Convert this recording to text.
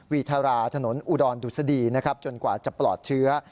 วีทาราถนนอุดอนดุษฎีจนกว่าจะปลอดเชื้อ